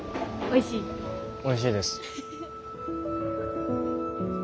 おいしいです。